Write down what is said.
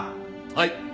はい。